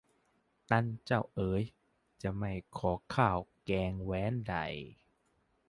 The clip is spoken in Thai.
ตันเจ้าเอ๋ย จะไม่ขอข้าวแกงแหวนใด